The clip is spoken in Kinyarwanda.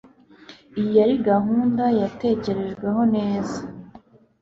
Iyi yari gahunda yatekerejweho neza.